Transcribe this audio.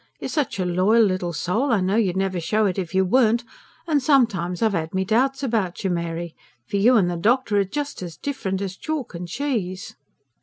You're such a loyal little soul, I know you'd never show it if you weren't; and sometimes I've 'ad my doubts about you, Mary. For you and the doctor are just as different as chalk and cheese."